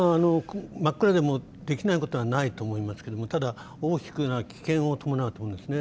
真っ暗でもできないことはないと思いますけども、ただ大きく危険を伴うと思うんですね。